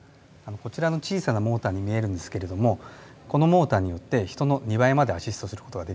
こちらの小さなモーターに見えるんですけれどもこのモーターによって人の２倍までアシストする事ができるんですよ。